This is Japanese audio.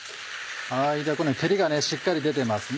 この照りがしっかり出てますね。